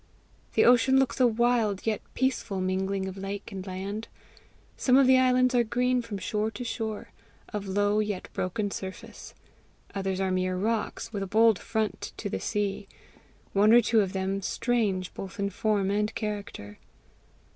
The ocean looks a wild, yet peaceful mingling of lake and land. Some of the islands are green from shore to shore, of low yet broken surface; others are mere rocks, with a bold front to the sea, one or two of them strange both in form and character.